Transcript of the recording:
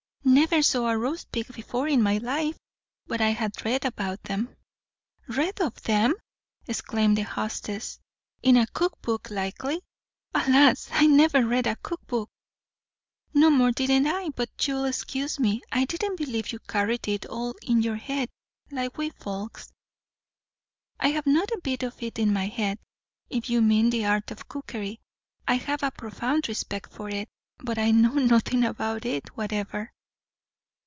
"Never saw a roast pig before in my life. But I have read of them." "Read of them!" exclaimed their hostess. "In a cook book, likely?" "Alas! I never read a cook book." "No more didn't I; but you'll excuse me, I didn't believe you carried it all in your head, like we folks." "I have not a bit of it in my head, if you mean the art of cookery. I have a profound respect for it; but I know nothing about it whatever."